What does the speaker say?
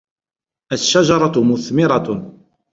الشَّجَرَةُ مُثْمِرَةٌ.